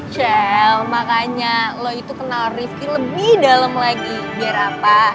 shel makanya lo itu kenal rifqi lebih dalem lagi biar apa